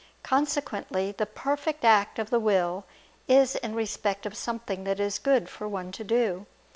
Consequently the perfect act of the will is in respect of something that is good for one to do.